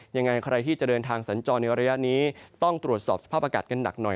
ยังไงใครที่จะเดินทางสัญจรในระยะนี้ต้องตรวจสอบสภาพอากาศกันหนักหน่อย